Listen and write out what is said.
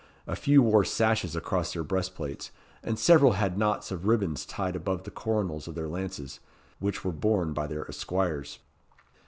A few wore sashes across their breastplates, and several had knots of ribands tied above the coronals of their lances, which were borne by their esquires.